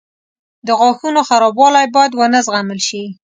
• د غاښونو خرابوالی باید ونه زغمل شي.